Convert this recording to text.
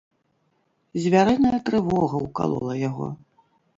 Звярыная трывога ўкалола яго.